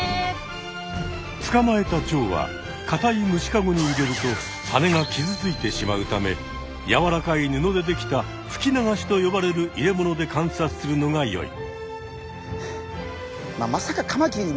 つかまえたチョウはかたい虫かごに入れるとはねが傷ついてしまうためやわらかい布でできたふきながしと呼ばれる入れ物で観察するのがよい。